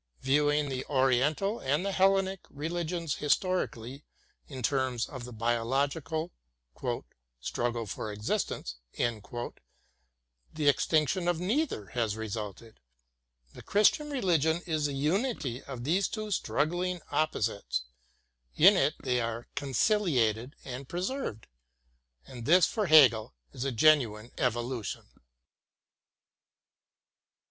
Viewing the Oriental and the Hellenic re ligions historically in terms of the biological '' struggle for existence," the extinction of neither has resulted. The Christian religion is the unity of these two struggling op posites ; in it they are conciliated and preserved. And this for Hegel is genuine evolution.